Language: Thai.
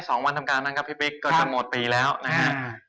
สองวันทำการนั้นครับพี่ปิ๊กก็จะหมดปีแล้วนะฮะ